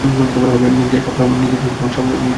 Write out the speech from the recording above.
নিজের স্বপ্নে বাস কর।